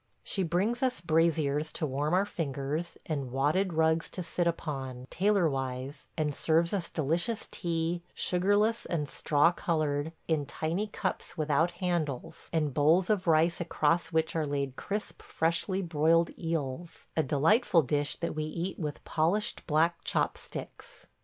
.. She brings us braziers to warm our fingers and wadded rugs to sit upon, tailorwise, and serves us delicious tea, sugarless and straw colored, in tiny cups without handles, and bowls of rice across which are laid crisp, freshly broiled eels – a delightful dish that we eat with polished black chopsticks.